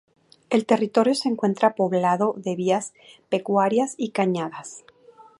El territorio se encuentra poblado de vías pecuarias y cañadas.